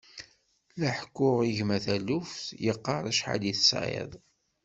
La ḥekkuɣ i gma taluft, yeqqar acḥal i tesɛiḍ.